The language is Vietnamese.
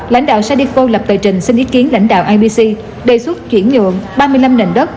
lãnh đạo sadiko lập tờ trình xin ý kiến lãnh đạo ibc đề xuất chuyển nhượng ba mươi năm nền đất